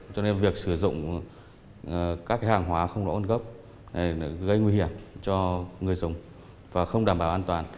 cho nên việc sử dụng các cái hàng hóa không đủ ân cấp gây nguy hiểm cho người dùng và không đảm bảo an toàn